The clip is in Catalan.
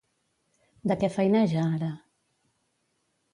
De què feineja ara?